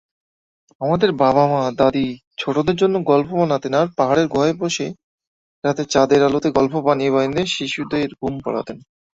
তবে তার সবচেয়ে গুরুত্বপূর্ণ কাজটি ছিল জৈব পিগমেন্ট নিয়ে।